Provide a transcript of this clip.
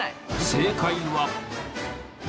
正解は。